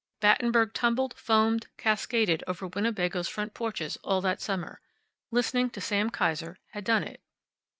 Battenberg tumbled, foamed, cascaded over Winnebago's front porches all that summer. Listening to Sam Kiser had done it.